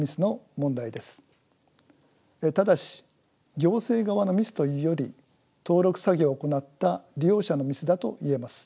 ただし行政側のミスというより登録作業を行った利用者のミスだと言えます。